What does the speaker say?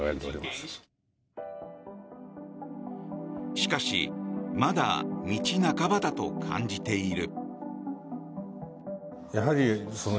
しかしまだ道半ばだと感じている。